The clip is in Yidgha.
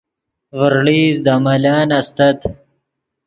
ڤرڑئیست دے ملن استت